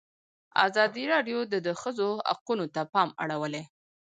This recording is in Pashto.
ازادي راډیو د د ښځو حقونه ته پام اړولی.